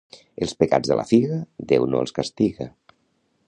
Els pecats de la figa, Déu no els castiga.